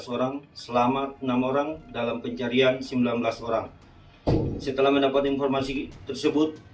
dua belas orang selamat enam orang dalam pencarian sembilan belas orang setelah mendapat informasi tersebut